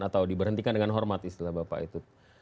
atau diberhentikan dengan hormat istilah bapak itu